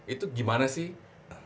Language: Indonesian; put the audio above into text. itu gimana sih